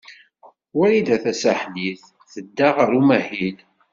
Wrida Tasaḥlit tedda ɣer umahil.